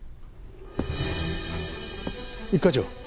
一課長。